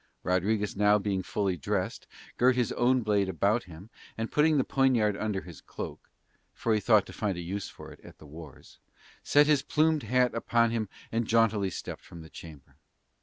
Rodriguez being now fully dressed, girt his own blade about him, and putting the poniard under his cloak, for he thought to find a use for it at the wars, set his plumed hat upon him and jauntily stepped from the chamber.